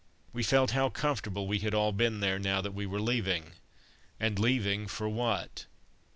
We felt how comfortable we had all been there, now that we were leaving. And leaving for what?